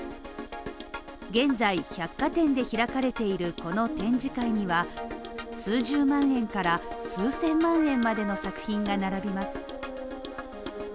現在、百貨店で開かれているこの展示会には数十万円から数千万円までの作品が並びます。